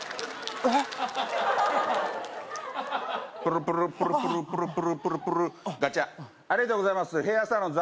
プルプルプルプルプルプルプルプルガチャッありがとうございますヘアサロンザ